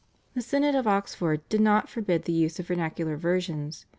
The Synod of Oxford did not forbid the use of vernacular versions.